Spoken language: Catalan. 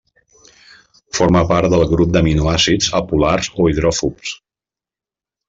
Forma part del grup d’aminoàcids apolars o hidròfobs.